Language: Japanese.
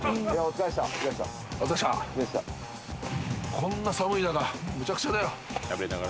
こんな寒い中めちゃくちゃだよ。